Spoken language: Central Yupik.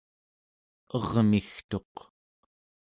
ermigtuq